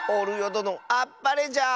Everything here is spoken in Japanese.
どのあっぱれじゃ！